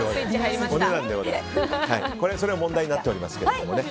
それは問題になっていますが。